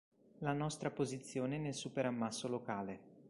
La nostra posizione nel Superammasso locale.